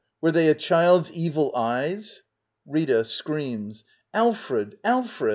Were they a child's evil eyes? Rita, Alfred! Alfred!